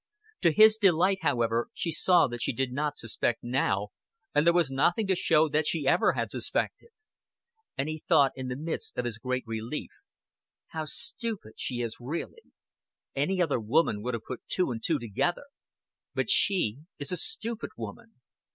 To his delight, however, he saw that she did not suspect now, and there was nothing to show that she ever had suspected. And he thought in the midst of his great relief: "How stupid she is really. Any other woman would have put two and two together. But she is a stupid woman.